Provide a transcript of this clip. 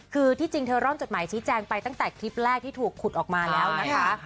คือที่จริงเธอร่อนจดหมายชี้แจงไปตั้งแต่คลิปแรกที่ถูกขุดออกมาแล้วนะคะ